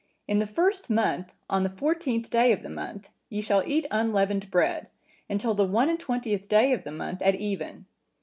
In the first month, on the fourteenth day of the month, ye shall eat unleavened bread, until the one and twentieth day of the month at even.